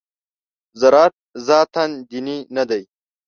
زراعت ذاتاً دیني نه دی.